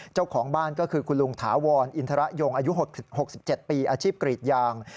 เจ้าของบ้านก็คือคุณลุงถาวรอินทรยงอายุ๖๗ปีอาชีพกรีดยาง